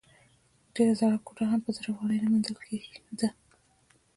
ډېره زړه کوټه هم په زر افغانۍ نه موندل کېده.